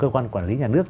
quản lý nhà nước